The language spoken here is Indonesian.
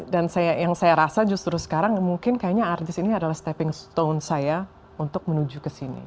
dan yang saya rasa justru sekarang mungkin artis ini adalah stepping stone saya untuk menuju ke sini